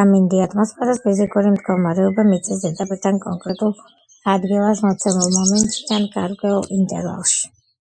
ამინდი — ატმოსფეროს ფიზიკური მდგომარეობა მიწის ზედაპირთან კონკრეტულ ადგილას მოცემულ მომენტში ან გარკვეულ ინტერვალში